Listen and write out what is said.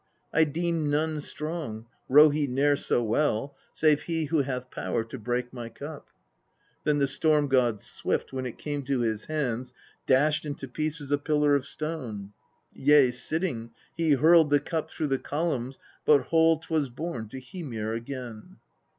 ' I deem none strong, row he ne'er so well, save he who hath power to break my cup.' 30. Then the Storm god, swift, when it came to his hands dashed into pieces a pillar of stone : yea, sitting, he hurled the cup through the columns but whole 'twas borne to Hymir again.